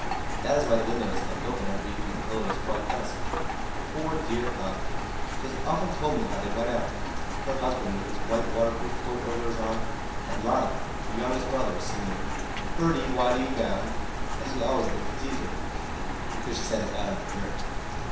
That is why the window is kept open every evening till it is quite dusk. Poor dear aunt, she has often told me how they went out, her husband with his white waterproof coat over his arm, and Ronnie, her youngest brother, singing 'Bertie, why do you bound?' as he always did to tease her, because she said it got on her nerves.